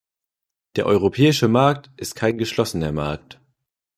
Der europäische Markt ist kein geschlossener Markt.